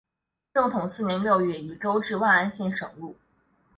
正统四年六月以州治万安县省入。